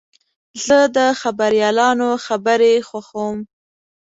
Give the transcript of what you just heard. زه د خبریالانو خبرې خوښوم.